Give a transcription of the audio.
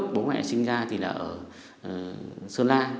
đối tượng này sinh ra là ở sơn la